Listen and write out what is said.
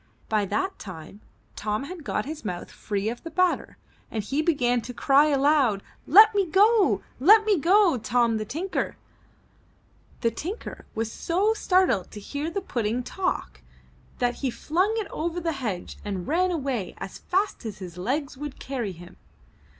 By that time, Tom had got his mouth free of the batter and he began to cry aloud: ^Tet me go! Let me go, Tom the Tinker!'' The Tinker was so startled to hear the pudding 263 M Y BOOK HOUSE talk, that he flung it over the hedge and ran away as fast as his legs would carry him.